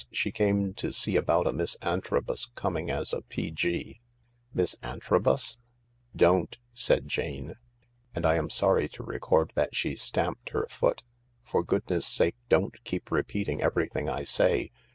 She came to see about a Miss Antrobus coming as a P.G." " Miss Antrobus ?"" Don't, " said Jane — and I am sorry to record that she stamped her foot —" for goodness' sake don't keep repeating everything I say!